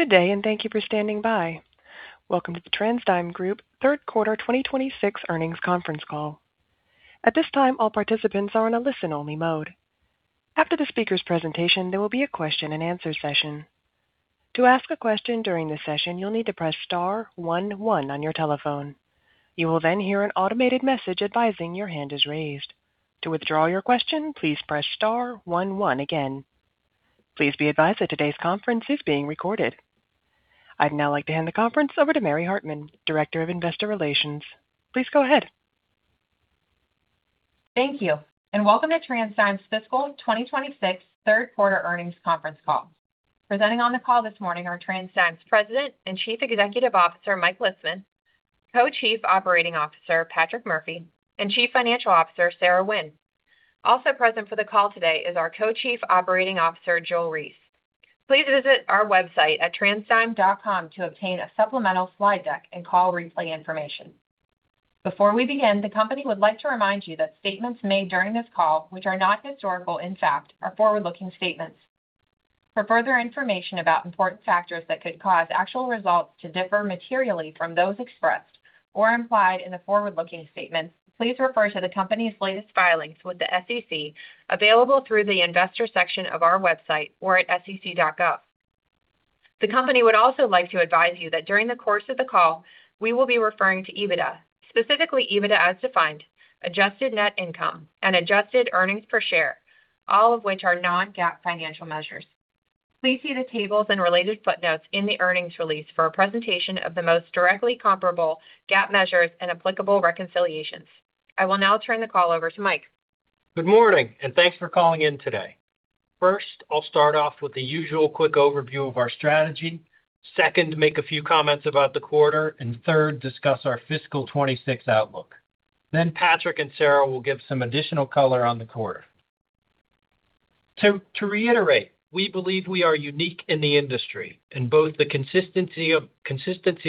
Good day. Thank you for standing by. Welcome to the TransDigm Group Third Quarter 2026 Earnings Conference Call. At this time, all participants are in a listen-only mode. After the speaker's presentation, there will be a question and answer session. To ask a question during the session, you'll need to press star one one on your telephone. You will then hear an automated message advising your hand is raised. To withdraw your question, please press star one one again. Please be advised that today's conference is being recorded. I'd now like to hand the conference over to Mary Hartman, Director of Investor Relations. Please go ahead. Thank you. Welcome to TransDigm's Fiscal 2026 Third Quarter Earnings Conference Call. Presenting on the call this morning are TransDigm's President and Chief Executive Officer, Mike Lisman, Co-Chief Operating Officer, Patrick Murphy, and Chief Financial Officer, Sarah Wynne. Also present for the call today is our Co-Chief Operating Officer, Joel Reiss. Please visit our website at transdigm.com to obtain a supplemental slide deck and call replay information. Before we begin, the company would like to remind you that statements made during this call, which are not historical in fact, are forward-looking statements. For further information about important factors that could cause actual results to differ materially from those expressed or implied in the forward-looking statements, please refer to the company's latest filings with the SEC, available through the investor section of our website or at sec.gov. The company would also like to advise you that during the course of the call, we will be referring to EBITDA, specifically EBITDA As Defined, adjusted net income, and adjusted earnings per share, all of which are non-GAAP financial measures. Please see the tables and related footnotes in the earnings release for a presentation of the most directly comparable GAAP measures and applicable reconciliations. I will now turn the call over to Mike. Good morning. Thanks for calling in today. First, I'll start off with the usual quick overview of our strategy. Second, make a few comments about the quarter, and third, discuss our fiscal 2026 outlook. Then Patrick and Sarah will give some additional color on the quarter. To reiterate, we believe we are unique in the industry in both the consistency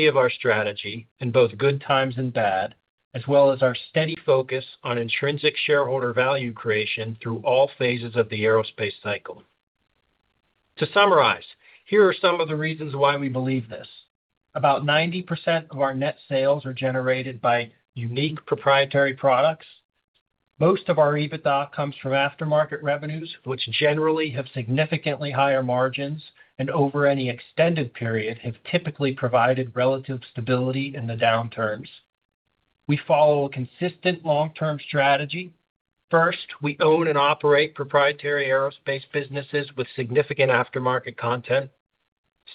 of our strategy, in both good times and bad, as well as our steady focus on intrinsic shareholder value creation through all phases of the aerospace cycle. To summarize, here are some of the reasons why we believe this. About 90% of our net sales are generated by unique proprietary products. Most of our EBITDA comes from aftermarket revenues, which generally have significantly higher margins and over any extended period have typically provided relative stability in the downturns. We follow a consistent long-term strategy. First, we own and operate proprietary aerospace businesses with significant aftermarket content.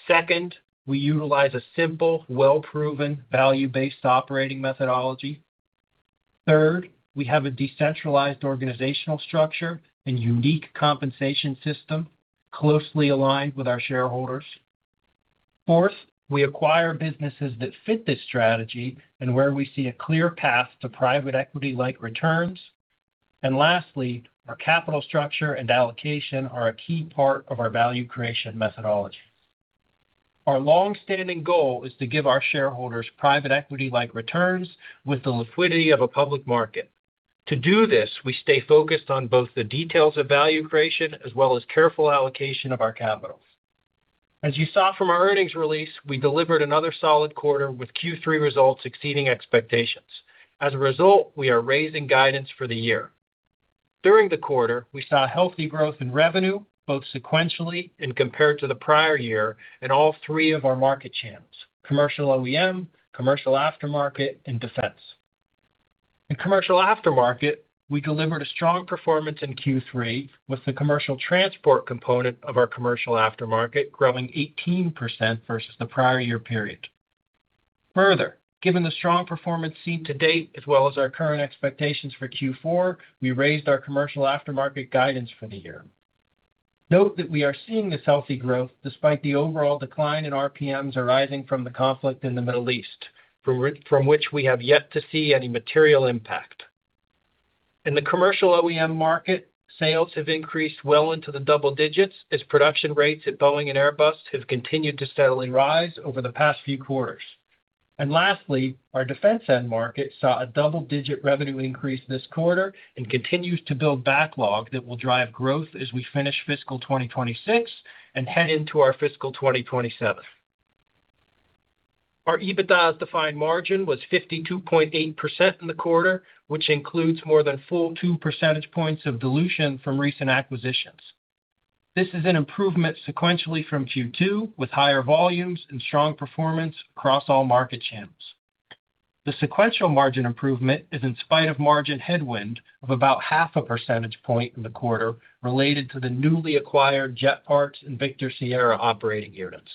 Second, we utilize a simple, well-proven, value-based operating methodology. Third, we have a decentralized organizational structure and unique compensation system closely aligned with our shareholders. Fourth, we acquire businesses that fit this strategy and where we see a clear path to private equity-like returns. Lastly, our capital structure and allocation are a key part of our value creation methodology. Our long-standing goal is to give our shareholders private equity-like returns with the liquidity of a public market. To do this, we stay focused on both the details of value creation as well as careful allocation of our capital. As you saw from our earnings release, we delivered another solid quarter with Q3 results exceeding expectations. As a result, we are raising guidance for the year. During the quarter, we saw healthy growth in revenue, both sequentially and compared to the prior year in all three of our market channels, commercial OEM, commercial aftermarket, and defense. In commercial aftermarket, we delivered a strong performance in Q3 with the commercial transport component of our commercial aftermarket growing 18% versus the prior year period. Further, given the strong performance seen to date as well as our current expectations for Q4, we raised our commercial aftermarket guidance for the year. Note that we are seeing this healthy growth despite the overall decline in RPMs arising from the conflict in the Middle East, from which we have yet to see any material impact. In the commercial OEM market, sales have increased well into the double digits as production rates at Boeing and Airbus have continued to steadily rise over the past few quarters. Lastly, our defense end market saw a double-digit revenue increase this quarter and continues to build backlog that will drive growth as we finish fiscal 2026 and head into our fiscal 2027. Our EBITDA As Defined margin was 52.8% in the quarter, which includes more than full two percentage points of dilution from recent acquisitions. This is an improvement sequentially from Q2, with higher volumes and strong performance across all market channels. The sequential margin improvement is in spite of margin headwind of about half a percentage point in the quarter related to the newly acquired Jet Parts Engineering and Victor Sierra Aviation Holdings operating units.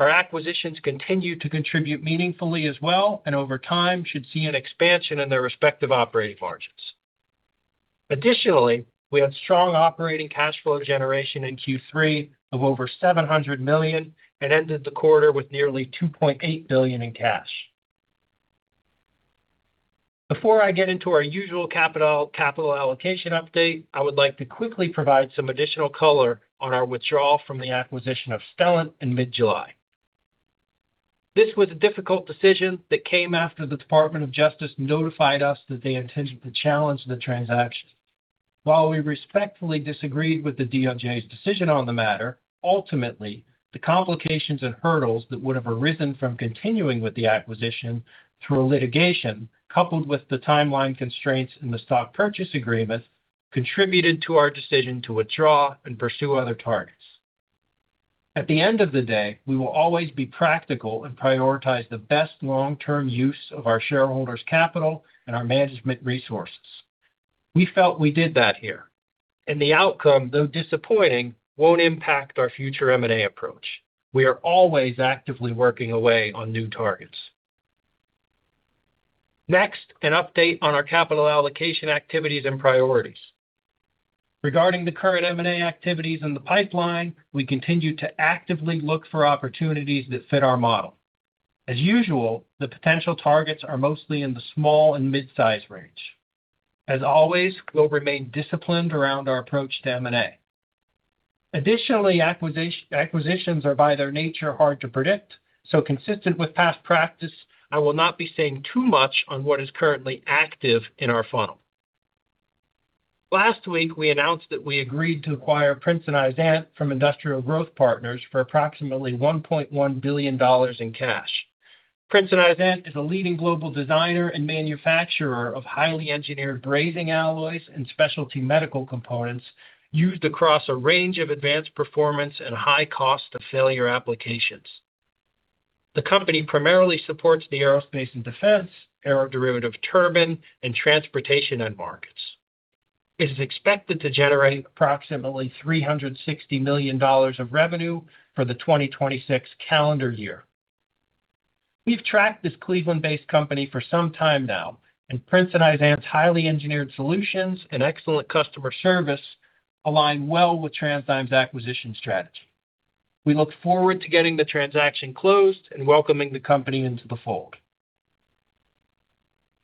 Our acquisitions continue to contribute meaningfully as well and over time should see an expansion in their respective operating margins. Additionally, we had strong operating cash flow generation in Q3 of over $700 million and ended the quarter with nearly $2.8 billion in cash. Before I get into our usual capital allocation update, I would like to quickly provide some additional color on our withdrawal from the acquisition of Stellant Systems in mid-July. This was a difficult decision that came after the Department of Justice notified us that they intended to challenge the transaction. While we respectfully disagreed with the DOJ's decision on the matter, ultimately, the complications and hurdles that would have arisen from continuing with the acquisition through a litigation, coupled with the timeline constraints in the stock purchase agreement, contributed to our decision to withdraw and pursue other targets. At the end of the day, we will always be practical and prioritize the best long-term use of our shareholders' capital and our management resources. We felt we did that here, and the outcome, though disappointing, won't impact our future M&A approach. We are always actively working away on new targets. Next, an update on our capital allocation activities and priorities. Regarding the current M&A activities in the pipeline, we continue to actively look for opportunities that fit our model. As usual, the potential targets are mostly in the small and mid-size range. As always, we'll remain disciplined around our approach to M&A. Additionally, acquisitions are, by their nature, hard to predict. Consistent with past practice, I will not be saying too much on what is currently active in our funnel. Last week, we announced that we agreed to acquire Prince & Izant from Industrial Growth Partners for approximately $1.1 billion in cash. Prince & Izant is a leading global designer and manufacturer of highly engineered brazing alloys and specialty metal components used across a range of advanced performance and high cost of failure applications. The company primarily supports the aerospace and defense, aeroderivative turbine, and transportation end markets. It is expected to generate approximately $360 million of revenue for the 2026 calendar year. We've tracked this Cleveland-based company for some time now, and Prince & Izant's highly engineered solutions and excellent customer service align well with TransDigm's acquisition strategy. We look forward to getting the transaction closed and welcoming the company into the fold.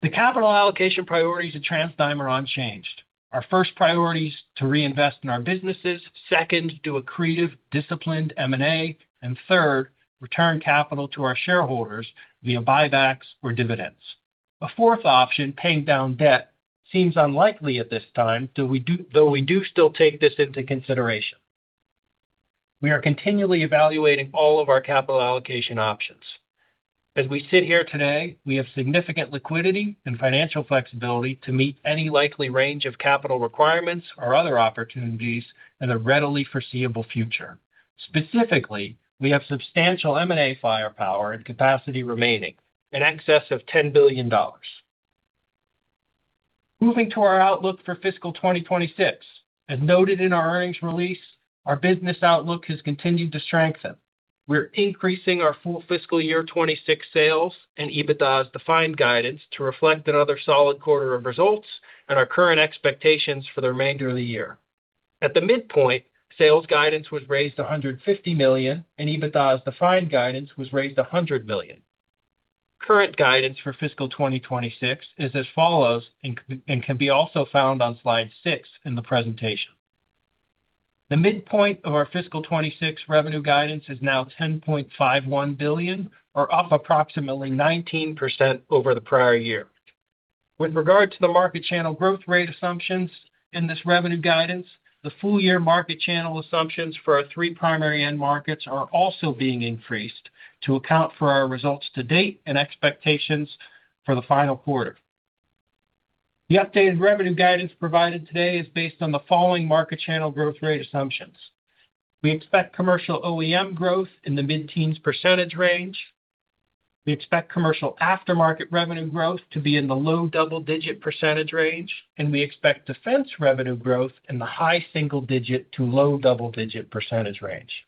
The capital allocation priorities at TransDigm are unchanged. Our first priority is to reinvest in our businesses. Second, do accretive, disciplined M&A. Third, return capital to our shareholders via buybacks or dividends. A fourth option, paying down debt, seems unlikely at this time, though we do still take this into consideration. We are continually evaluating all of our capital allocation options. As we sit here today, we have significant liquidity and financial flexibility to meet any likely range of capital requirements or other opportunities in the readily foreseeable future. Specifically, we have substantial M&A firepower and capacity remaining, in excess of $10 billion. Moving to our outlook for fiscal 2026. As noted in our earnings release, our business outlook has continued to strengthen. We're increasing our full fiscal year 2026 sales and EBITDA As Defined guidance to reflect another solid quarter of results and our current expectations for the remainder of the year. At the midpoint, sales guidance was raised $150 million, and EBITDA As Defined guidance was raised $100 million. Current guidance for fiscal 2026 is as follows, and can be also found on slide six in the presentation. The midpoint of our fiscal 2026 revenue guidance is now $10.51 billion or up approximately 19% over the prior year. With regard to the market channel growth rate assumptions in this revenue guidance, the full-year market channel assumptions for our three primary end markets are also being increased to account for our results to date and expectations for the final quarter. The updated revenue guidance provided today is based on the following market channel growth rate assumptions. We expect commercial OEM growth in the mid-teens percentage range. We expect commercial aftermarket revenue growth to be in the low double-digit percentage range, and we expect defense revenue growth in the high single digit to low double-digit percentage range.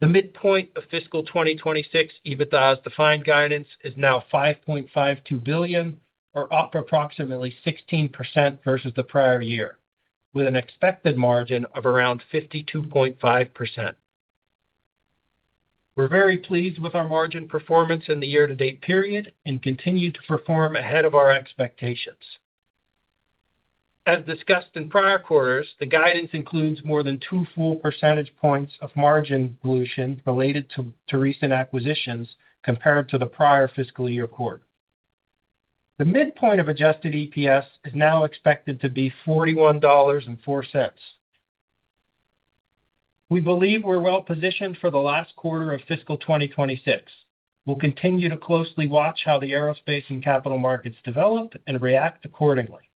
The midpoint of fiscal 2026 EBITDA As Defined guidance is now $5.52 billion or up approximately 16% versus the prior year, with an expected margin of around 52.5%. We're very pleased with our margin performance in the year-to-date period and continue to perform ahead of our expectations. As discussed in prior quarters, the guidance includes more than two full percentage points of margin dilution related to recent acquisitions compared to the prior fiscal year quarter. The midpoint of adjusted EPS is now expected to be $41.04. We believe we're well-positioned for the last quarter of fiscal 2026. We'll continue to closely watch how the aerospace and capital markets develop and react accordingly.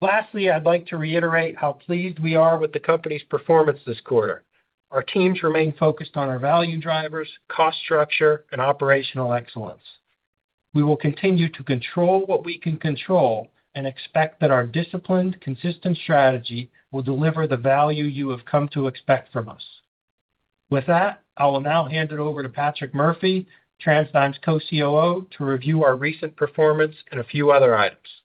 Lastly, I'd like to reiterate how pleased we are with the company's performance this quarter. Our teams remain focused on our value drivers, cost structure, and operational excellence. We will continue to control what we can control and expect that our disciplined, consistent strategy will deliver the value you have come to expect from us. With that, I will now hand it over to Patrick Murphy, TransDigm's Co-COO, to review our recent performance and a few other items.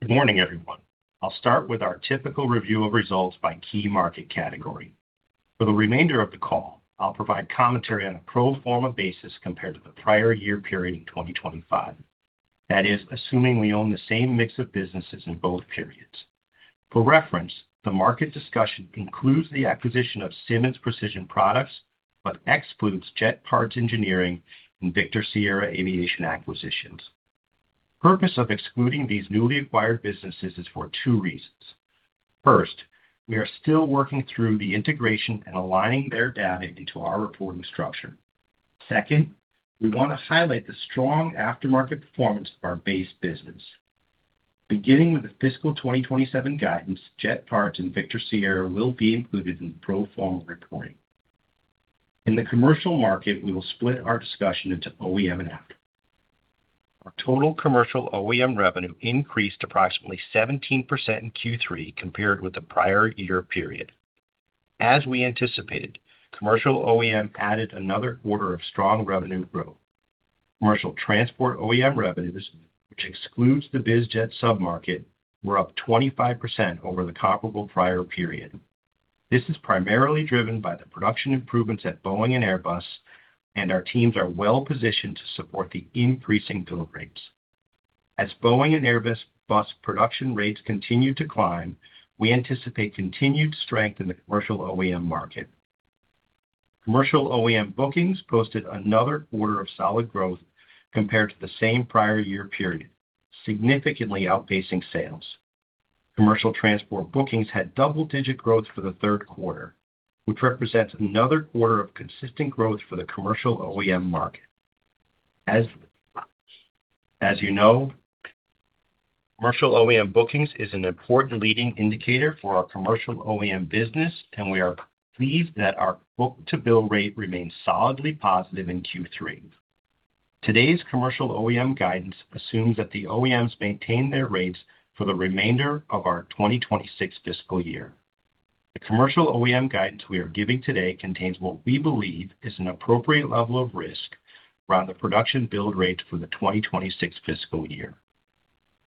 Good morning, everyone. I'll start with our typical review of results by key market category. For the remainder of the call, I'll provide commentary on a pro forma basis compared to the prior year period in 2025. That is, assuming we own the same mix of businesses in both periods. For reference, the market discussion includes the acquisition of Simmonds Precision Products, but excludes Jet Parts Engineering and Victor Sierra Aviation acquisitions. Purpose of excluding these newly acquired businesses is for two reasons. First, we are still working through the integration and aligning their data into our reporting structure. Second, we want to highlight the strong aftermarket performance of our base business. Beginning with the fiscal 2027 guidance, Jet Parts Engineering and Victor Sierra Aviation Holdings will be included in the pro forma reporting. In the commercial market, we will split our discussion into OEM and after. Our total commercial OEM revenue increased approximately 17% in Q3 compared with the prior year period. As we anticipated, commercial OEM added another quarter of strong revenue growth. Commercial transport OEM revenues, which excludes the biz jet sub-market, were up 25% over the comparable prior period. This is primarily driven by the production improvements at Boeing and Airbus. Our teams are well-positioned to support the increasing build rates. As Boeing and Airbus production rates continue to climb, we anticipate continued strength in the commercial OEM market. Commercial OEM bookings posted another quarter of solid growth compared to the same prior year period, significantly outpacing sales. Commercial transport bookings had double-digit growth for the third quarter, which represents another quarter of consistent growth for the commercial OEM market. As you know, commercial OEM bookings is an important leading indicator for our commercial OEM business. We are pleased that our book-to-bill rate remains solidly positive in Q3. Today's commercial OEM guidance assumes that the OEMs maintain their rates for the remainder of our 2026 fiscal year. The commercial OEM guidance we are giving today contains what we believe is an appropriate level of risk around the production build rates for the 2026 fiscal year.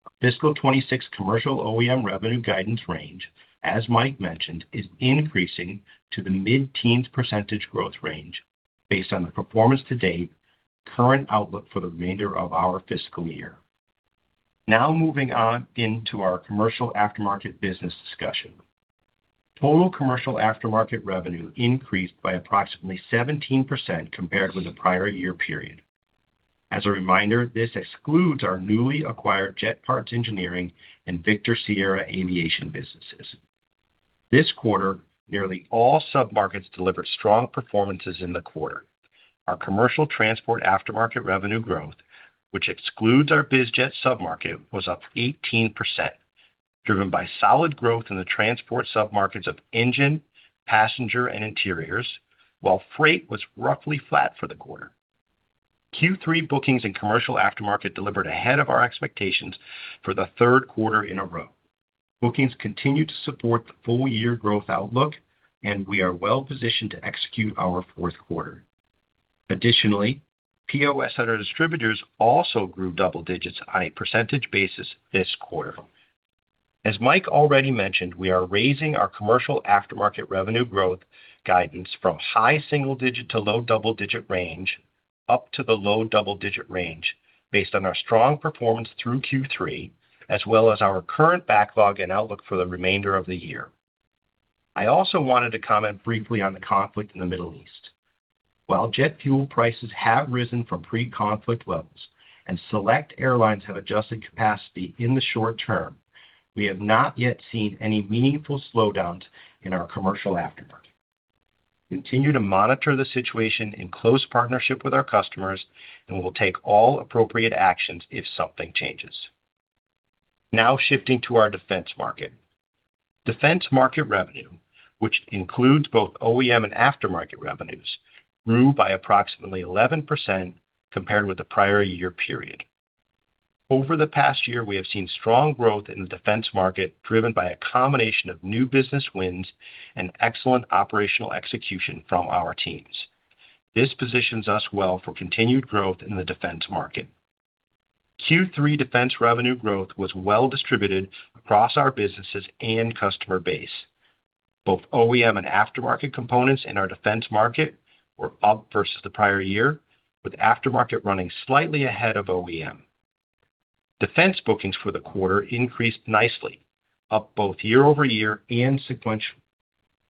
Our fiscal 2026 commercial OEM revenue guidance range, as Mike mentioned, is increasing to the mid-teens percentage growth range based on the performance to date, current outlook for the remainder of our fiscal year. Moving on into our commercial aftermarket business discussion. Total commercial aftermarket revenue increased by approximately 17% compared with the prior year period. As a reminder, this excludes our newly acquired Jet Parts Engineering and Victor Sierra Aviation businesses. This quarter, nearly all sub-markets delivered strong performances in the quarter. Our commercial transport aftermarket revenue growth, which excludes our bizjet sub-market, was up 18%, driven by solid growth in the transport sub-markets of engine, passenger, and interiors, while freight was roughly flat for the quarter. Q3 bookings and commercial aftermarket delivered ahead of our expectations for the third quarter in a row. Bookings continue to support the full year growth outlook, and we are well-positioned to execute our fourth quarter. Additionally, POS at our distributors also grew double digits on a percentage basis this quarter. As Mike already mentioned, we are raising our commercial aftermarket revenue growth guidance from high single-digit to low double-digit range up to the low double-digit range based on our strong performance through Q3, as well as our current backlog and outlook for the remainder of the year. I also wanted to comment briefly on the conflict in the Middle East. While jet fuel prices have risen from pre-conflict levels and select airlines have adjusted capacity in the short term, we have not yet seen any meaningful slowdowns in our commercial aftermarket. We continue to monitor the situation in close partnership with our customers, and we will take all appropriate actions if something changes. Now shifting to our defense market. Defense market revenue, which includes both OEM and aftermarket revenues, grew by approximately 11% compared with the prior year period. Over the past year, we have seen strong growth in the defense market, driven by a combination of new business wins and excellent operational execution from our teams. This positions us well for continued growth in the defense market. Q3 defense revenue growth was well distributed across our businesses and customer base. Both OEM and aftermarket components in our defense market were up versus the prior year, with aftermarket running slightly ahead of OEM. Defense bookings for the quarter increased nicely, up both year-over-year and sequentially,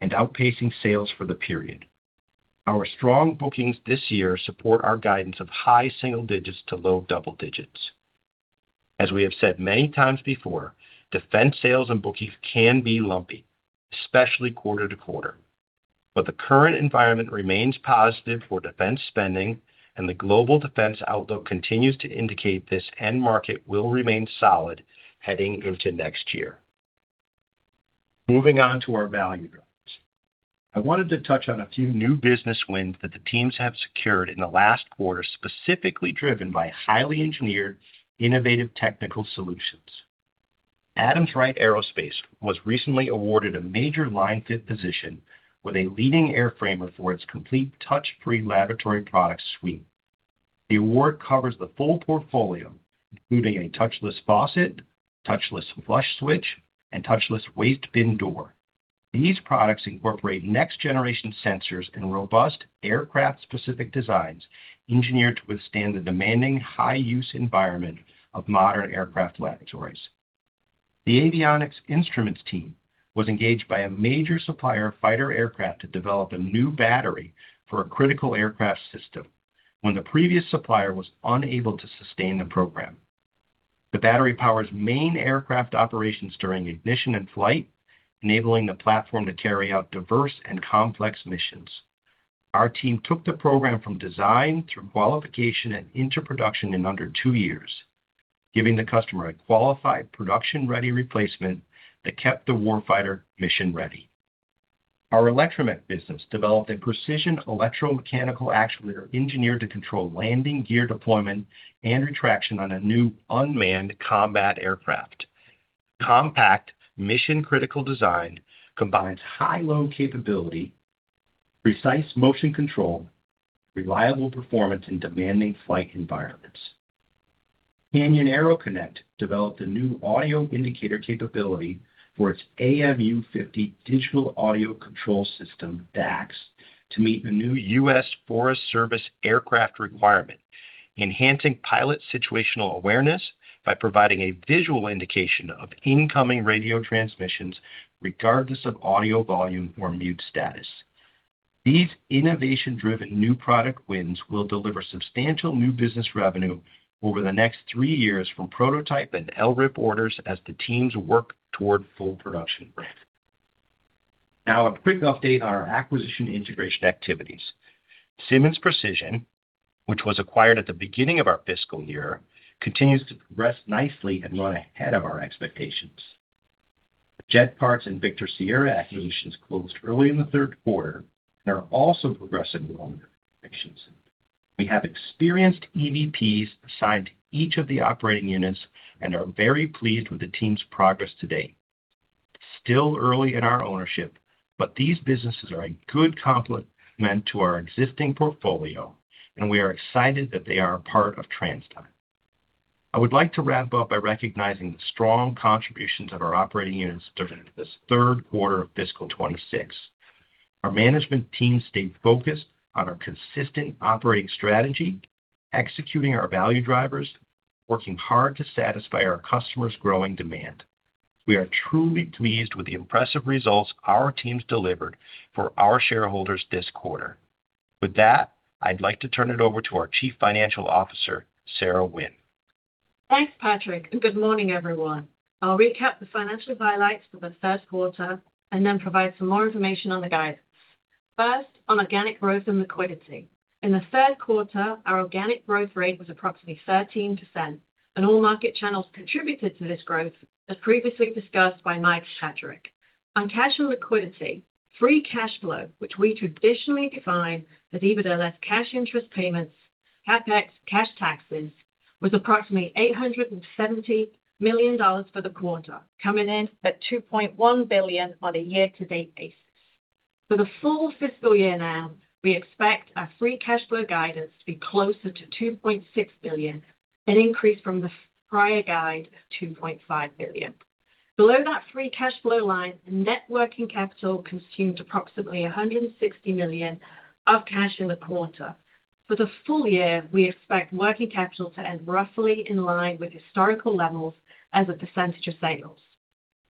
outpacing sales for the period. Our strong bookings this year support our guidance of high single-digits to low double-digits. As we have said many times before, defense sales and bookings can be lumpy, especially quarter-to-quarter. The current environment remains positive for defense spending, and the global defense outlook continues to indicate this end market will remain solid heading into next year. Moving on to our value drivers. I wanted to touch on a few new business wins that the teams have secured in the last quarter, specifically driven by highly engineered, innovative technical solutions. Adams Rite Aerospace was recently awarded a major line-fit position with a leading airframer for its complete touch-free lavatory product suite. The award covers the full portfolio, including a touchless faucet, touchless flush switch, and touchless waste bin door. These products incorporate next-generation sensors and robust aircraft-specific designs engineered to withstand the demanding high-use environment of modern aircraft lavatories. The avionics instruments team was engaged by a major supplier of fighter aircraft to develop a new battery for a critical aircraft system when the previous supplier was unable to sustain the program. The battery powers main aircraft operations during ignition and flight, enabling the platform to carry out diverse and complex missions. Our team took the program from design through qualification and into production in under two years, giving the customer a qualified, production-ready replacement that kept the warfighter mission-ready. Our Electromech business developed a precision electromechanical actuator engineered to control landing gear deployment and retraction on a new unmanned combat aircraft. Compact, mission-critical design combines high load capability, precise motion control, reliable performance in demanding flight environments. Canyon AeroConnect developed a new audio indicator capability for its AMU-50 digital audio control system, DACS, to meet the new U.S. Forest Service aircraft requirement, enhancing pilot situational awareness by providing a visual indication of incoming radio transmissions regardless of audio volume or mute status. These innovation-driven new product wins will deliver substantial new business revenue over the next three years from prototype and LRIP orders as the teams work toward full production. A quick update on our acquisition integration activities. Simmonds Precision Products, which was acquired at the beginning of our fiscal year, continues to progress nicely and run ahead of our expectations. Jet Parts Engineering and Victor Sierra Aviation Holdings acquisitions closed early in the third quarter and are also progressing well. We have experienced EVPs assigned to each of the operating units and are very pleased with the team's progress to date. Still early in our ownership, but these businesses are a good complement to our existing portfolio, and we are excited that they are a part of TransDigm. I would like to wrap up by recognizing the strong contributions of our operating units during this third quarter of fiscal 2026. Our management team stayed focused on our consistent operating strategy, executing our value drivers, working hard to satisfy our customers' growing demand. We are truly pleased with the impressive results our teams delivered for our shareholders this quarter. I'd like to turn it over to our Chief Financial Officer, Sarah Wynne. Thanks, Patrick. Good morning, everyone. I'll recap the financial highlights for the third quarter and then provide some more information on the guidance. First, on organic growth and liquidity. In the third quarter, our organic growth rate was approximately 13%. All market channels contributed to this growth, as previously discussed by Mike Patrick. On cash and liquidity, free cash flow, which we traditionally define as EBITDA less cash interest payments, CapEx, cash taxes, was approximately $870 million for the quarter, coming in at $2.1 billion on a year-to-date basis. For the full fiscal year now, we expect our free cash flow guidance to be closer to $2.6 billion, an increase from the prior guide of $2.5 billion. Below that free cash flow line, net working capital consumed approximately $160 million of cash in the quarter. For the full year, we expect working capital to end roughly in line with historical levels as a percentage of sales.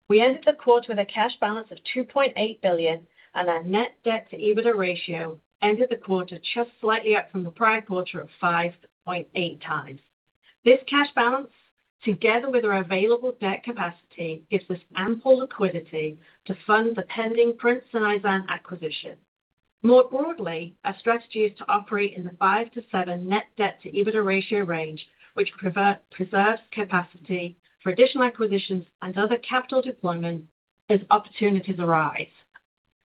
We ended the quarter with a cash balance of $2.8 billion. Our net debt-to-EBITDA ratio ended the quarter just slightly up from the prior quarter of 5.8x. This cash balance, together with our available debt capacity, gives us ample liquidity to fund the pending Prince & Izant acquisition. More broadly, our strategy is to operate in the five to seven net debt-to-EBITDA ratio range, which preserves capacity for additional acquisitions and other capital deployment as opportunities arise.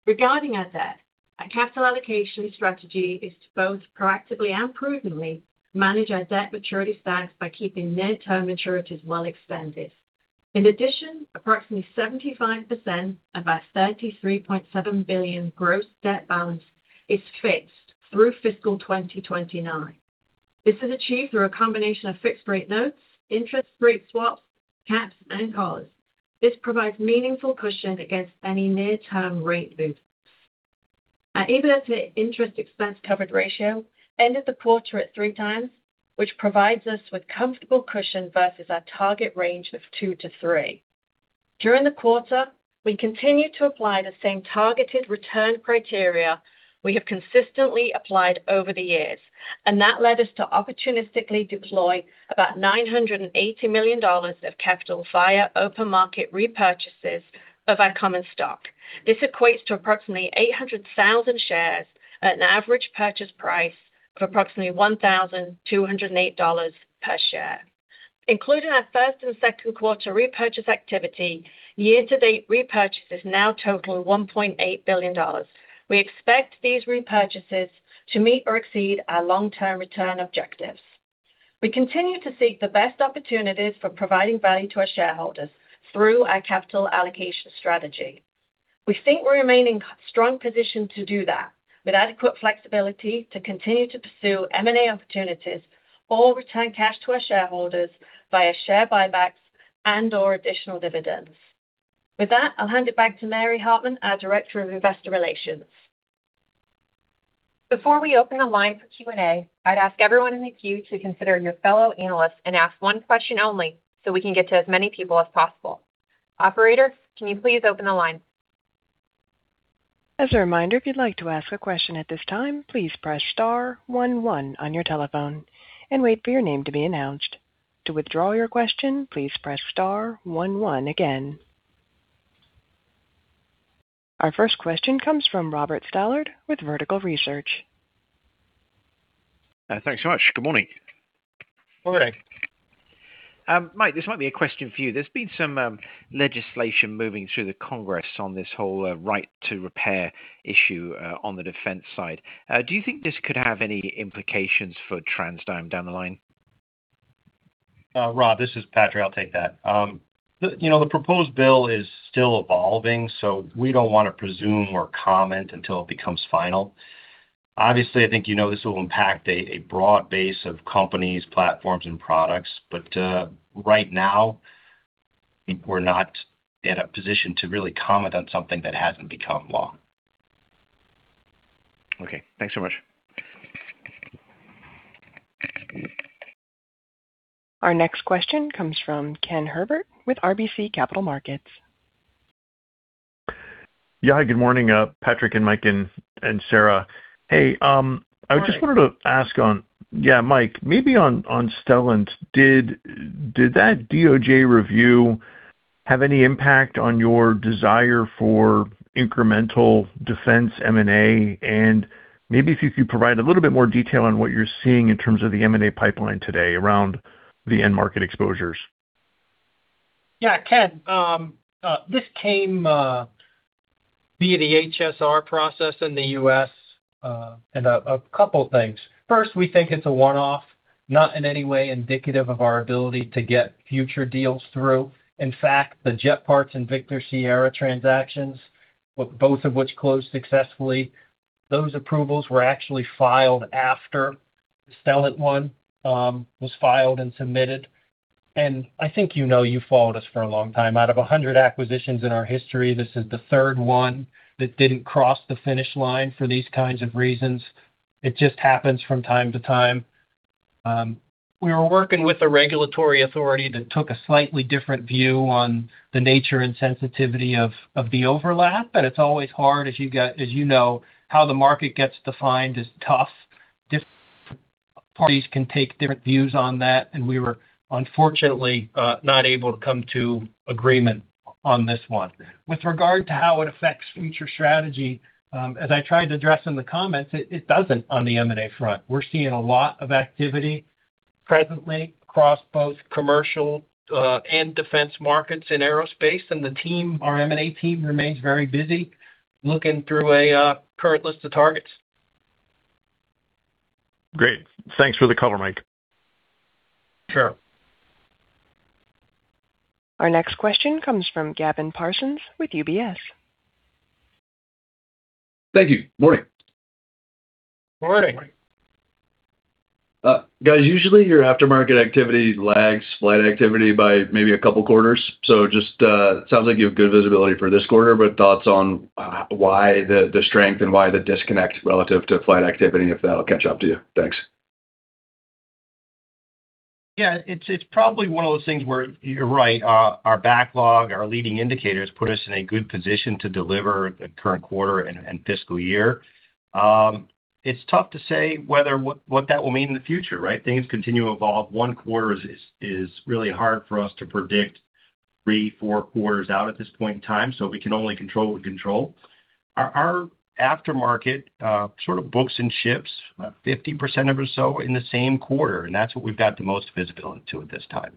Regarding our debt, our capital allocation strategy is to both proactively and prudently manage our debt maturity stacks by keeping near-term maturities well extended. In addition, approximately 75% of our $33.7 billion gross debt balance is fixed through fiscal 2029. This is achieved through a combination of fixed rate notes, interest rate swaps, caps, and collars. This provides meaningful cushion against any near-term rate boosts. Our EBITDA-to-interest expense coverage ratio ended the quarter at 3x, which provides us with comfortable cushion versus our target range of 2x-3x. During the quarter, we continued to apply the same targeted return criteria we have consistently applied over the years, and that led us to opportunistically deploy about $980 million of capital via open market repurchases of our common stock. This equates to approximately 800,000 shares at an average purchase price of approximately $1,208 per share. Including our first and second quarter repurchase activity, year-to-date repurchases now total $1.8 billion. We expect these repurchases to meet or exceed our long-term return objectives. We continue to seek the best opportunities for providing value to our shareholders through our capital allocation strategy. We think we remain in a strong position to do that With adequate flexibility to continue to pursue M&A opportunities or return cash to our shareholders via share buybacks and/or additional dividends. With that, I'll hand it back to Mary Hartman, our Director of Investor Relations. Before we open the line for Q&A, I'd ask everyone in the queue to consider your fellow analysts and ask one question only so we can get to as many people as possible. Operator, can you please open the line? As a reminder, if you'd like to ask a question at this time, please press star one one on your telephone and wait for your name to be announced. To withdraw your question, please press star one one again. Our first question comes from Robert Stallard with Vertical Research. Thanks so much. Good morning. Morning. Mike, this might be a question for you. There's been some legislation moving through the Congress on this whole Right to Repair issue on the defense side. Do you think this could have any implications for TransDigm down the line? Rob, this is Patrick. I'll take that. The proposed bill is still evolving, so we don't want to presume or comment until it becomes final. Obviously, I think you know this will impact a broad base of companies, platforms, and products, but right now, we're not in a position to really comment on something that hasn't become law. Okay. Thanks so much. Our next question comes from Ken Herbert with RBC Capital Markets. Yeah. Good morning, Patrick and Mike, and Sarah. Morning. I just wanted to ask on, yeah Mike, maybe on Stellant. Did that DOJ review have any impact on your desire for incremental defense M&A? Maybe if you could provide a little bit more detail on what you're seeing in terms of the M&A pipeline today around the end market exposures. Yeah, Ken, this came via the HSR process in the U.S., and a couple things. First, we think it's a one-off, not in any way indicative of our ability to get future deals through. In fact, the Jet Parts Engineering and Victor Sierra Aviation Holdings transactions, both of which closed successfully, those approvals were actually filed after the Stellant Systems one was filed and submitted. I think you know, you've followed us for a long time. Out of 100 acquisitions in our history, this is the third one that didn't cross the finish line for these kinds of reasons. It just happens from time to time. We were working with a regulatory authority that took a slightly different view on the nature and sensitivity of the overlap. It's always hard, as you know, how the market gets defined is tough. Different parties can take different views on that. We were unfortunately not able to come to agreement on this one. With regard to how it affects future strategy, as I tried to address in the comments, it doesn't on the M&A front. We're seeing a lot of activity presently across both commercial and defense markets in aerospace. Our M&A team remains very busy looking through a current list of targets. Great. Thanks for the color, Mike. Sure. Our next question comes from Gavin Parsons with UBS. Thank you. Morning. Morning. Guys, usually your aftermarket activity lags flight activity by maybe a couple quarters. Sounds like you have good visibility for this quarter, thoughts on why the strength and why the disconnect relative to flight activity, if that'll catch up to you? Thanks. Yeah, it's probably one of those things where you're right. Our backlog, our leading indicators put us in a good position to deliver the current quarter and fiscal year. It's tough to say what that will mean in the future, right? Things continue to evolve. One quarter is really hard for us to predict three, four quarters out at this point in time, we can only control what we can control. Our aftermarket sort of books and ships 50% or so in the same quarter, that's what we've got the most visibility to at this time.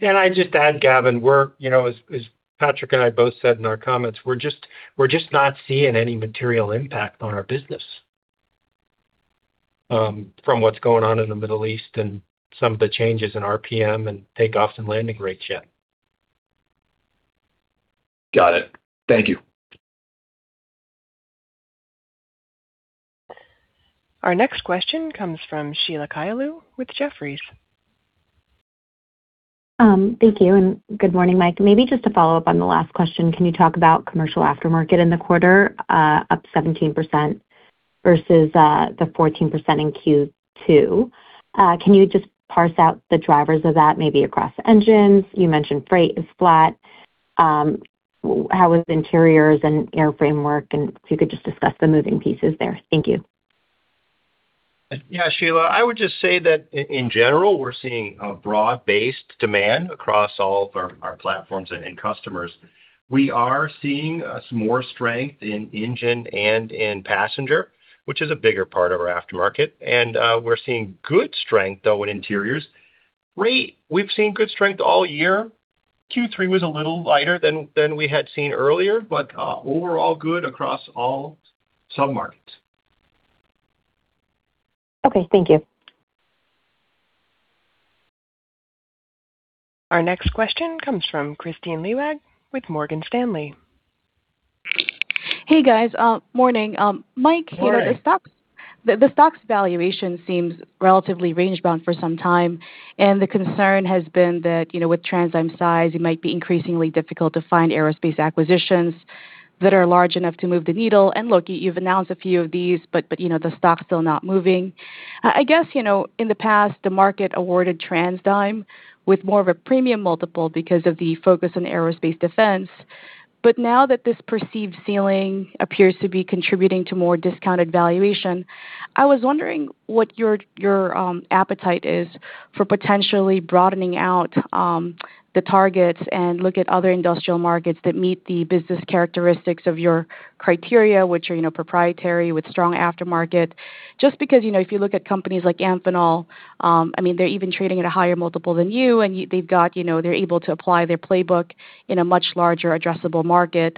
I'd just add, Gavin, as Patrick and I both said in our comments, we're just not seeing any material impact on our business from what's going on in the Middle East and some of the changes in RPM and takeoffs and landing rates yet. Got it. Thank you. Our next question comes from Sheila Kahyaoglu with Jefferies. Thank you, good morning, Mike. Maybe just to follow up on the last question, can you talk about commercial aftermarket in the quarter, up 17% versus the 14% in Q2? Can you just parse out the drivers of that, maybe across engines? You mentioned freight is flat. How was interiors and airframe work, and if you could just discuss the moving pieces there. Thank you. Sheila, I would just say that in general, we're seeing a broad-based demand across all of our platforms and in customers. We are seeing some more strength in engine and in passenger, which is a bigger part of our aftermarket, and we're seeing good strength, though, in interiors. Freight, we've seen good strength all year. Q3 was a little lighter than we had seen earlier, overall good across all submarkets. Okay, thank you. Our next question comes from Kristine Liwag with Morgan Stanley. Hey, guys. Morning. Morning. Mike, the stock's valuation seems relatively range-bound for some time, the concern has been that with TransDigm's size, it might be increasingly difficult to find aerospace acquisitions that are large enough to move the needle. Look, you've announced a few of these, but the stock's still not moving. I guess, in the past, the market awarded TransDigm with more of a premium multiple because of the focus on aerospace defense. Now that this perceived ceiling appears to be contributing to more discounted valuation, I was wondering what your appetite is for potentially broadening out the targets and look at other industrial markets that meet the business characteristics of your criteria, which are proprietary with strong aftermarket. Just because if you look at companies like Amphenol, they're even trading at a higher multiple than you, they're able to apply their playbook in a much larger addressable market,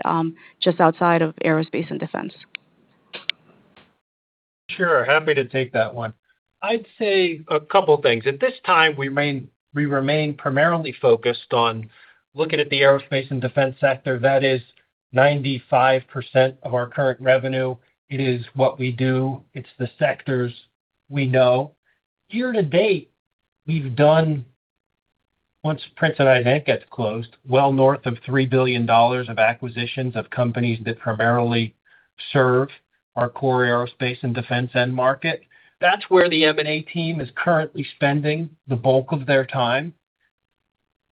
just outside of aerospace and defense. Sure. Happy to take that one. I'd say a couple things. At this time, we remain primarily focused on looking at the aerospace and defense sector. That is 95% of our current revenue. It is what we do. It's the sectors we know. Year to date, we've done, once Prince & Izant gets closed, well north of $3 billion of acquisitions of companies that primarily serve our core aerospace and defense end market. That's where the M&A team is currently spending the bulk of their time.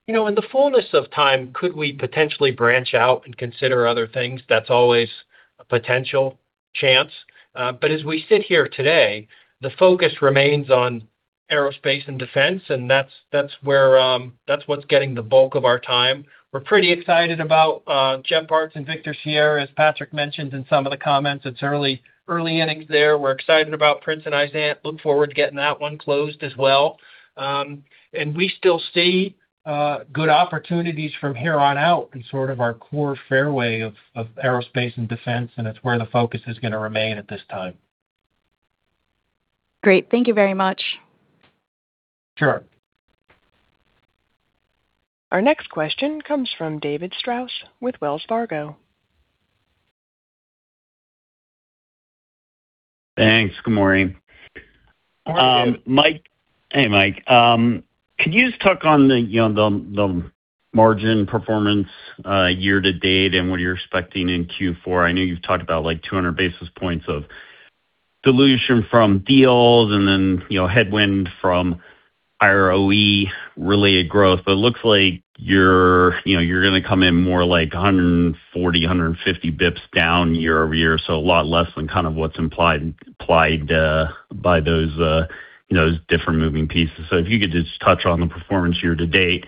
In the fullness of time, could we potentially branch out and consider other things? That's always a potential chance. As we sit here today, the focus remains on aerospace and defense, and that's what's getting the bulk of our time. We're pretty excited about Jet Parts Engineering and Victor Sierra Aviation Holdings, as Patrick mentioned in some of the comments. It's early innings there. We're excited about Prince & Izant. Look forward to getting that one closed as well. We still see good opportunities from here on out in sort of our core fairway of aerospace and defense. It's where the focus is going to remain at this time. Great. Thank you very much. Sure. Our next question comes from David Strauss with Wells Fargo. Thanks. Good morning. Morning, Dave. Hey, Mike. Could you just talk on the margin performance year-to-date and what you're expecting in Q4? I know you've talked about 200 basis points of dilution from deals, then headwind from higher ROE-related growth, but it looks like you're going to come in more like 140-150 basis points down year-over-year. A lot less than what's implied by those different moving pieces. If you could just touch on the performance year-to-date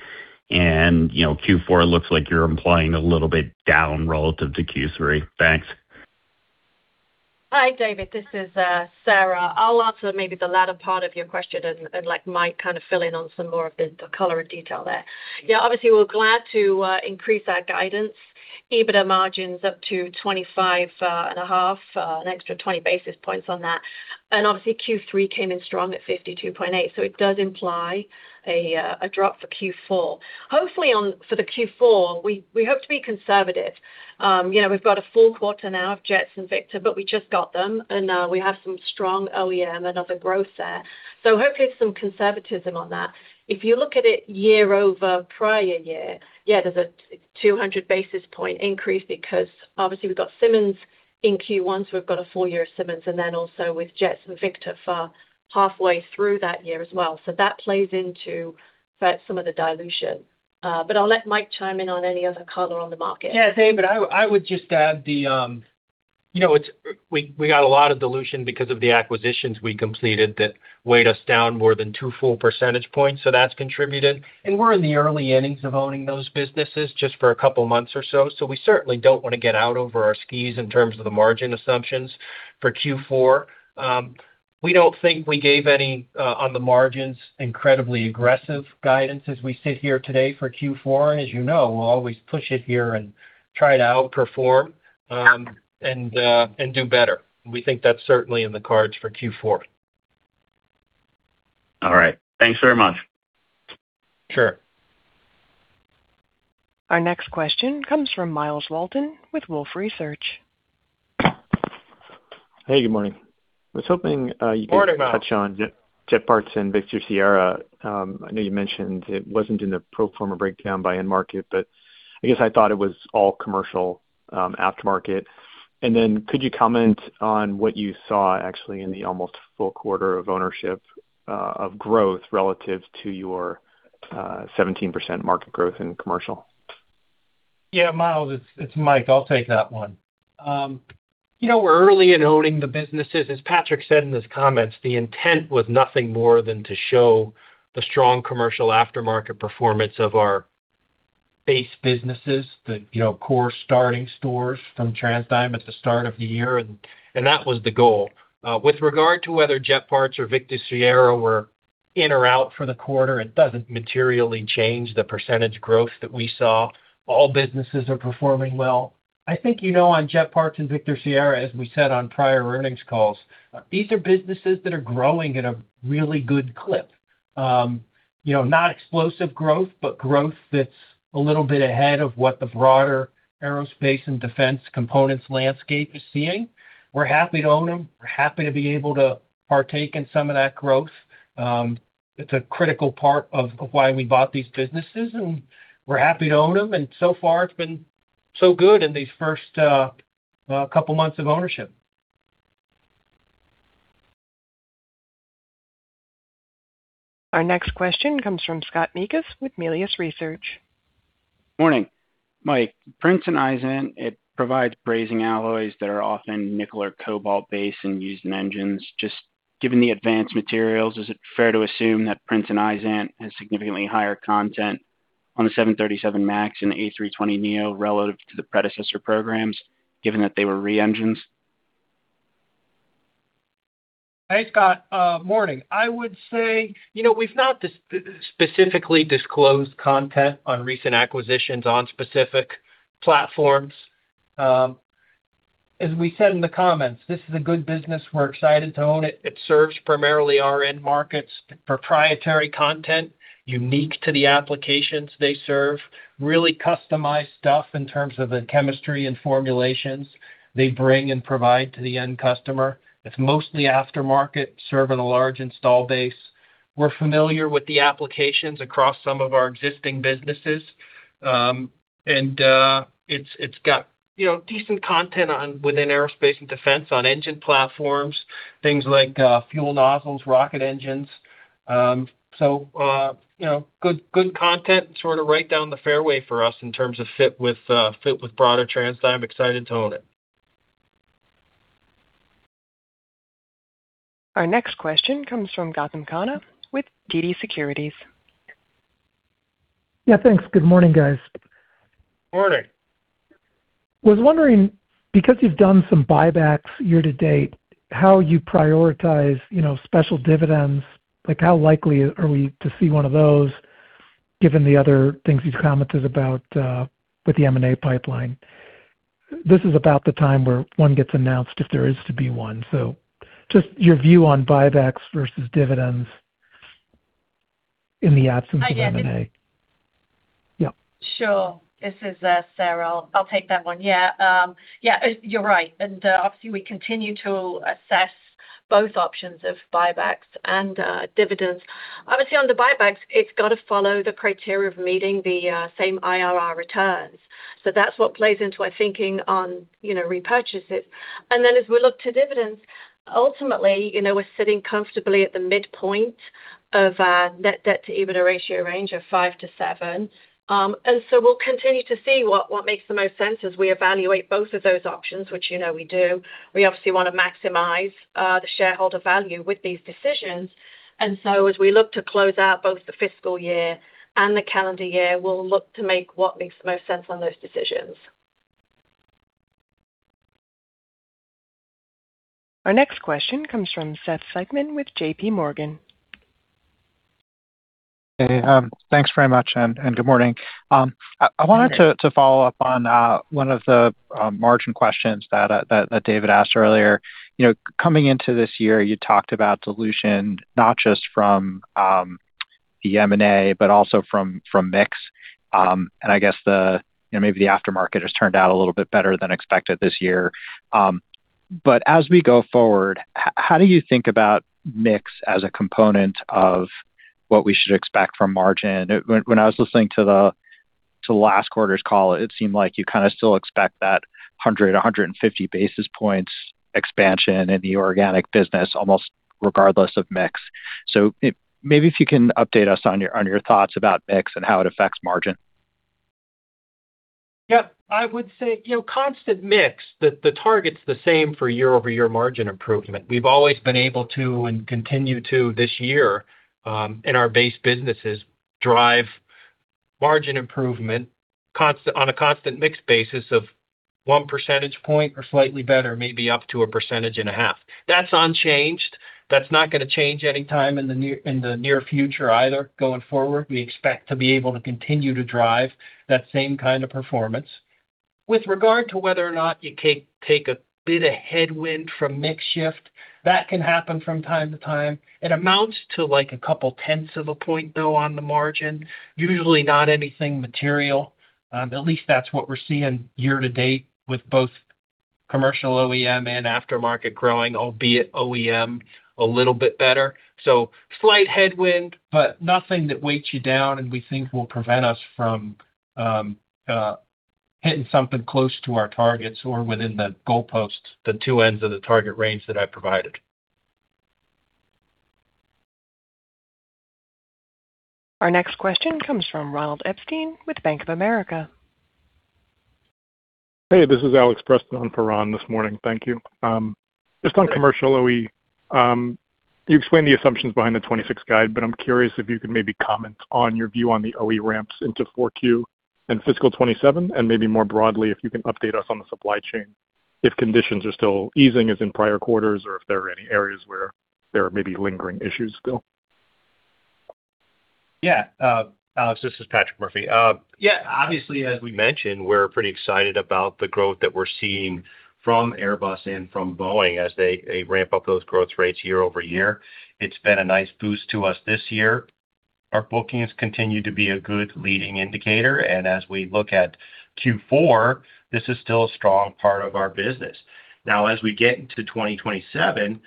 and Q4 looks like you're implying a little bit down relative to Q3. Thanks. Hi, David. This is Sarah. I'll answer maybe the latter part of your question and Mike, kind of fill in on some more of the color and detail there. Obviously, we're glad to increase our guidance. EBITDA margins up to 25.5%, an extra 20 basis points on that. Obviously Q3 came in strong at 52.8%, it does imply a drop for Q4. Hopefully, for Q4, we hope to be conservative. We've got a full quarter now of Jets and Victor, but we just got them, and we have some strong OEM and other growth there. Hopefully some conservatism on that. If you look at it year-over-prior-year, there's a 200 basis point increase because obviously we've got Simmonds in Q1, we've got a full year of Simmonds, then also with Jets and Victor for halfway through that year as well. That plays into some of the dilution. I'll let Mike chime in on any other color on the market. Yeah, David, I would just add we got a lot of dilution because of the acquisitions we completed that weighed us down more than two full percentage points. That's contributed. We're in the early innings of owning those businesses just for a couple of months or so, we certainly don't want to get out over our skis in terms of the margin assumptions for Q4. We don't think we gave any, on the margins, incredibly aggressive guidance as we sit here today for Q4. As you know, we'll always push it here and try to outperform, and do better. We think that's certainly in the cards for Q4. All right. Thanks very much. Sure. Our next question comes from Myles Walton with Wolfe Research. Hey, good morning. Morning, Myles. I was hoping you could touch on Jet Parts Engineering and Victor Sierra Aviation Holdings. I know you mentioned it wasn't in the pro forma breakdown by end market, but I guess I thought it was all commercial aftermarket. Could you comment on what you saw actually in the almost full quarter of ownership of growth relative to your 17% market growth in commercial? Yeah, Myles, it's Mike. I'll take that one. We're early in owning the businesses. As Patrick said in his comments, the intent was nothing more than to show the strong commercial aftermarket performance of our base businesses, the core starting stores from TransDigm at the start of the year. That was the goal. With regard to whether Jet Parts Engineering or Victor Sierra Aviation Holdings were in or out for the quarter, it doesn't materially change the percentage growth that we saw. All businesses are performing well. I think you know on Jet Parts Engineering and Victor Sierra Aviation Holdings, as we said on prior earnings calls, these are businesses that are growing at a really good clip. Not explosive growth, but growth that's a little bit ahead of what the broader aerospace and defense components landscape is seeing. We're happy to own them. We're happy to be able to partake in some of that growth. It's a critical part of why we bought these businesses, and we're happy to own them. So far it's been so good in these first couple months of ownership. Our next question comes from Scott Mikus with Melius Research. Morning. Mike, Prince & Izant, it provides brazing alloys that are often nickel or cobalt-based and used in engines. Just given the advanced materials, is it fair to assume that Prince & Izant has significantly higher content on the Boeing 737 MAX and Airbus A320neo relative to the predecessor programs, given that they were re-engined? Hey, Scott. Morning. I would say, we've not specifically disclosed content on recent acquisitions on specific platforms. As we said in the comments, this is a good business. We're excited to own it. It serves primarily our end markets, proprietary content unique to the applications they serve, really customized stuff in terms of the chemistry and formulations they bring and provide to the end customer. It's mostly aftermarket, serving a large install base. We're familiar with the applications across some of our existing businesses. It's got decent content within aerospace and defense on engine platforms, things like fuel nozzles, rocket engines. Good content, sort of right down the fairway for us in terms of fit with broader TransDigm. I'm excited to own it. Our next question comes from Gautam Khanna with TD Cowen. Yeah, thanks. Good morning, guys. Morning. Was wondering, because you've done some buybacks year to date, how you prioritize special dividends. How likely are we to see one of those, given the other things you've commented about with the M&A pipeline? This is about the time where one gets announced if there is to be one. Just your view on buybacks versus dividends in the absence of M&A. Hi, Gautam. Yeah. Sure. This is Sarah. I'll take that one. Yeah. You're right. Obviously we continue to assess both options of buybacks and dividends. Obviously on the buybacks, it's got to follow the criteria of meeting the same IRR returns. That's what plays into our thinking on repurchases. As we look to dividends, ultimately, we're sitting comfortably at the midpoint of net debt to EBITDA ratio range of five to seven. We'll continue to see what makes the most sense as we evaluate both of those options, which you know we do. We obviously want to maximize the shareholder value with these decisions. As we look to close out both the fiscal year and the calendar year, we'll look to make what makes the most sense on those decisions. Our next question comes from Seth Seifman with JPMorgan. Hey, thanks very much, and good morning. Good morning. I wanted to follow up on one of the margin questions that David asked earlier. Coming into this year, you talked about dilution, not just from the M&A, but also from mix. I guess maybe the aftermarket has turned out a little bit better than expected this year. As we go forward, how do you think about mix as a component of what we should expect from margin? When I was listening to last quarter's call, it seemed like you kind of still expect that 100-150 basis points expansion in the organic business, almost regardless of mix. Maybe if you can update us on your thoughts about mix and how it affects margin. Yeah. I would say constant mix, the target's the same for year-over-year margin improvement. We've always been able to, and continue to this year in our base businesses, drive margin improvement on a constant mix basis of one percentage point or slightly better, maybe up to a percentage and a half. That's unchanged. That's not going to change any time in the near future either going forward. We expect to be able to continue to drive that same kind of performance. With regard to whether or not you can take a bit of headwind from mix shift, that can happen from time to time. It amounts to a couple tenths of a point, though, on the margin, usually not anything material. At least that's what we're seeing year-to-date with both commercial OEM and aftermarket growing, albeit OEM a little bit better. Slight headwind, but nothing that weights you down and we think will prevent us from hitting something close to our targets or within the goalposts, the two ends of the target range that I provided. Our next question comes from Ronald Epstein with Bank of America. This is Alex Preston for Ron this morning. Thank you. Just on commercial OE. You explained the assumptions behind the 2026 guide, I'm curious if you could maybe comment on your view on the OE ramps into 4Q and fiscal 2027, and maybe more broadly, if you can update us on the supply chain, if conditions are still easing as in prior quarters or if there are any areas where there are maybe lingering issues still. Alex, this is Patrick Murphy. Obviously, as we mentioned, we're pretty excited about the growth that we're seeing from Airbus and from Boeing as they ramp up those growth rates year-over-year. It's been a nice boost to us this year. Our bookings continue to be a good leading indicator, as we look at Q4, this is still a strong part of our business. As we get into 2027,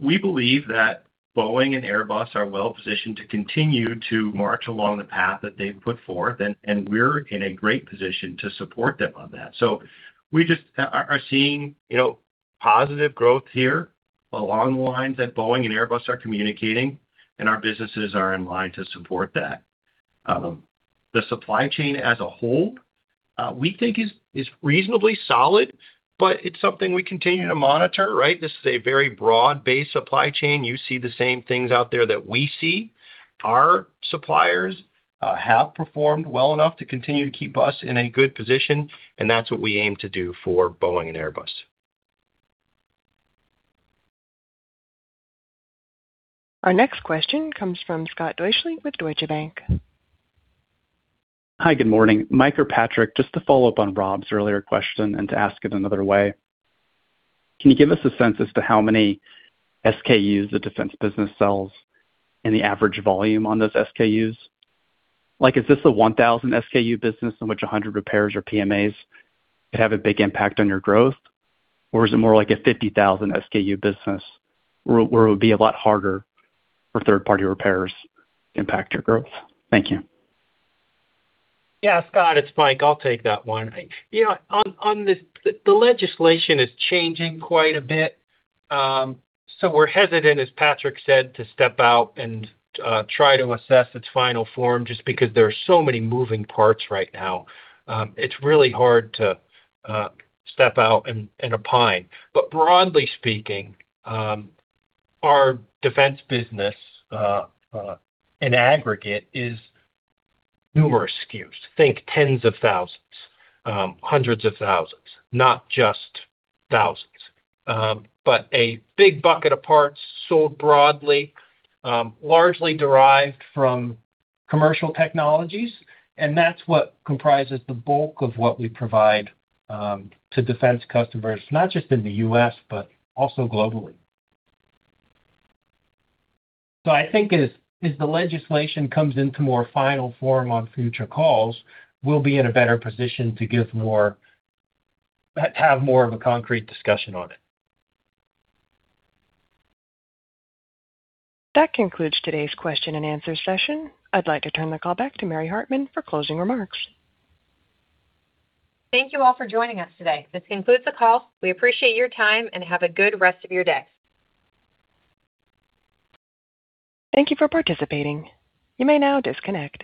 we believe that Boeing and Airbus are well-positioned to continue to march along the path that they've put forth, we're in a great position to support them on that. We just are seeing positive growth here along the lines that Boeing and Airbus are communicating, our businesses are in line to support that. The supply chain as a whole, we think is reasonably solid, it's something we continue to monitor, right? This is a very broad-based supply chain. You see the same things out there that we see. Our suppliers have performed well enough to continue to keep us in a good position, that's what we aim to do for Boeing and Airbus. Our next question comes from Scott Deuschle with Deutsche Bank. Hi, good morning. Mike or Patrick, just to follow up on Rob's earlier question and to ask it another way, can you give us a sense as to how many SKUs the defense business sells and the average volume on those SKUs? Is this a 1,000 SKU business in which 100 repairs or PMAs could have a big impact on your growth? Or is it more like a 50,000 SKU business where it would be a lot harder for third-party repairs to impact your growth? Thank you. Yeah, Scott, it's Mike. I'll take that one. The legislation is changing quite a bit, we're hesitant, as Patrick said, to step out and try to assess its final form just because there are so many moving parts right now. It's really hard to step out and opine. Broadly speaking, our defense business in aggregate is numerous SKUs. Think tens of thousands, hundreds of thousands, not just thousands. A big bucket of parts sold broadly, largely derived from commercial technologies, and that's what comprises the bulk of what we provide to defense customers, not just in the U.S., but also globally. I think as the legislation comes into more final form on future calls, we'll be in a better position to have more of a concrete discussion on it. That concludes today's question and answer session. I'd like to turn the call back to Mary Hartman for closing remarks. Thank you all for joining us today. This concludes the call. We appreciate your time, and have a good rest of your day. Thank you for participating. You may now disconnect.